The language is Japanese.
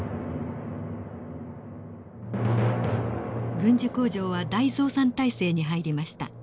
軍需工場は大増産体制に入りました。